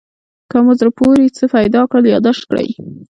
که مو زړه پورې څه پیدا کړل یادداشت کړئ.